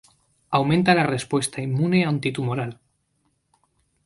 Aumenta la respuesta inmune anti-tumoral.